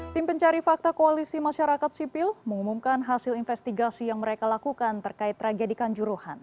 tim pencari fakta koalisi masyarakat sipil mengumumkan hasil investigasi yang mereka lakukan terkait tragedi kanjuruhan